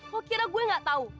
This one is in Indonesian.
lo kira gue gak tahu